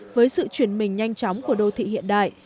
với sự chuyển mình nhanh chóng của đô thị hiện đại